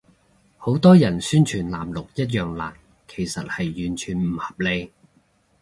好多人宣傳藍綠一樣爛，其實係完全唔合理